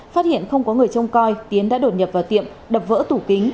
phát hiện không có người trông coi tiến đã đột nhập vào tiệm đập vỡ tủ kính